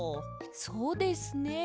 そうですね。